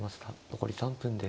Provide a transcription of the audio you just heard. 残り３分です。